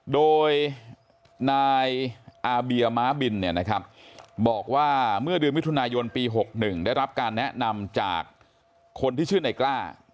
โดยนายอาเบียม้าบินบอกว่าเมื่อเดือนมิถุนายนปี๖๑ได้รับการแนะนำจากคนที่ชื่อนายกล้า